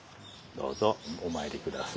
どうぞお参り下さい。